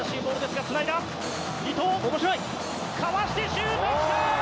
シュート、きた！